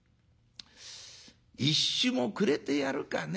１朱もくれてやるかね。